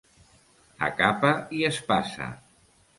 A capa i espasa.